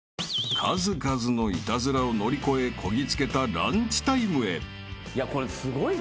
［数々のイタズラを乗り越えこぎ着けたランチタイムへ］